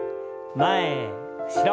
前後ろ。